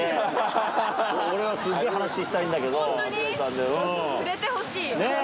俺はすっげぇ話したいんだけど。ねぇ！